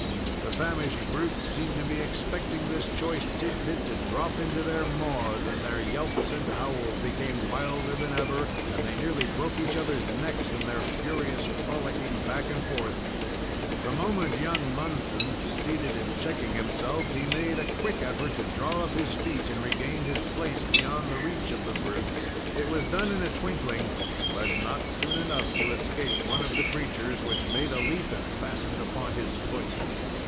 The famished brutes seemed to be expecting this choice tid bit to drop into their maws, and their yelps and howls became wilder than ever, and they nearly broke each other's necks in their furious frolicing back and forth. The moment young Munson succeeded in checking himself, he made a quick effort to draw up his feet and regain his place beyond the reach of the brutes. It was done in a twinkling, but not soon enough to escape one of the creatures, which made a leap and fastened upon his foot.